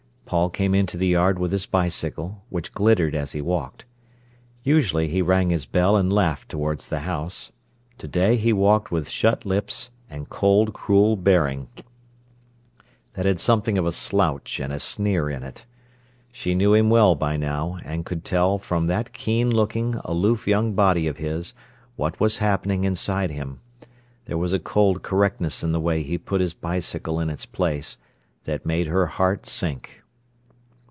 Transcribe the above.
Paul came into the yard with his bicycle, which glittered as he walked. Usually he rang his bell and laughed towards the house. To day he walked with shut lips and cold, cruel bearing, that had something of a slouch and a sneer in it. She knew him well by now, and could tell from that keen looking, aloof young body of his what was happening inside him. There was a cold correctness in the way he put his bicycle in its place, that made her heart sink.